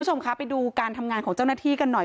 ไปดูการทำงานของเจ้าหน้าที่กันหน่อย